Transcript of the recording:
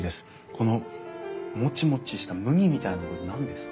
このもちもちした麦みたいなの何ですか？